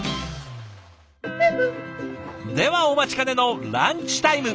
ではお待ちかねのランチタイム！